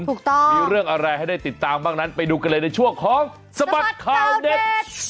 ถูกต้องมีเรื่องอะไรให้ได้ติดตามบ้างนั้นไปดูกันเลยในช่วงของสบัดข่าวเด็ด